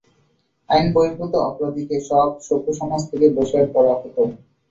আইন-বহির্ভূত অপরাধীকে সব সভ্য সমাজ থেকে বহিষ্কৃত করা হতো।